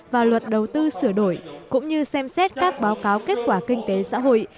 và luật đầu tư sửa đổi cũng như xem xét các báo cáo kết quả kinh tế xã hội